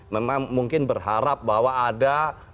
memang mungkin berharap bahwa ada